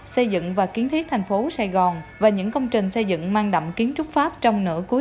xây dựng và kiến thiết tp hcm và những công trình xây dựng mang đậm kiến trúc pháp trong nửa cuối